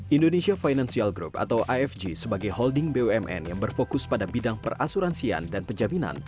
indonesia financial group atau ifg sebagai holding bumn yang berfokus pada bidang perasuransian dan penjaminan